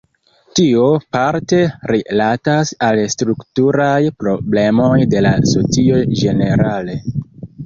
Tio parte rilatas al strukturaj problemoj de la socio ĝenerale.